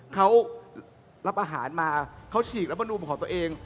เขารับอาหารมาเขาฉีกแล้วมาดูมของตัวเอง